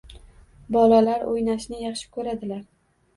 Bolalar o‘ynashni yaxshi ko‘radilar